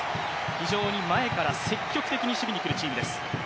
非常に前から積極的に守備にくるチームです。